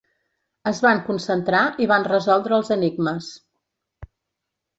Es van concentrar i van resoldre els enigmes.